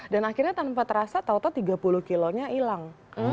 dan akhirnya tanpa terasa tau tau tiga puluh kg nya hilang